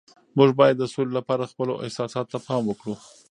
موږ باید د سولي لپاره خپلو احساساتو ته پام وکړو.